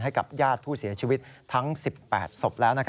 ให้กับญาติผู้เสียชีวิตทั้ง๑๘ศพแล้ว